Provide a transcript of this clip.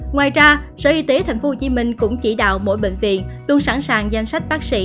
ngoài ra sở y tế tp hcm cũng chỉ đạo mỗi bệnh viện luôn sẵn sàng danh sách bác sĩ